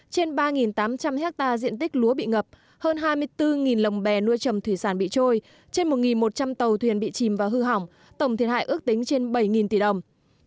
trên ba tám trăm linh hectare diện tích lúa bị ngập hơn hai mươi bốn lồng bè nuôi trầm thủy sản bị trôi trên một một trăm linh tàu thuyền bị chìm và hư hỏng tổng thiệt hại ước tính trên bảy tỷ đồng